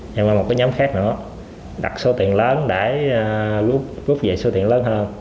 nhưng mà một cái nhóm khác nữa đặt số tiền lớn để rút về số tiền lớn hơn